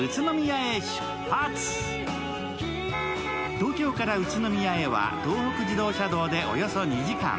東京から宇都宮へは東北自動車道でおよそ２時間。